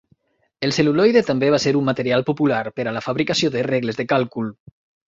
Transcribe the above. El cel·luloide també va ser un material popular per a la fabricació de regles de càlcul.